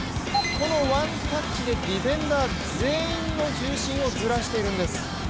このワンタッチでディフェンダー全員の重心をずらしているんです。